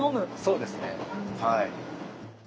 そうですねはい。